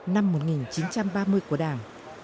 năm một nghìn chín trăm ba mươi của đảng